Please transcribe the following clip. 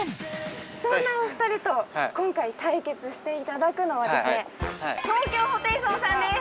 そんなお二人と今回対決していただくのはですね東京ホテイソンさんです！